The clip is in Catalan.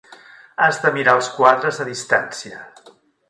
Has de mirar els quadres a distància.